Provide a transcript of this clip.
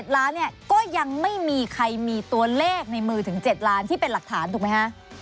ล้านเนี่ยก็ยังไม่มีใครมีตัวเลขในมือถึง๗ล้านที่เป็นหลักฐานถูกไหมฮะ